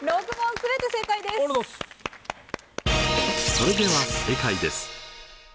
それでは正解です。